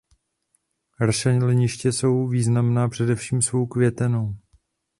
Rašeliniště jsou významná především svou květenou.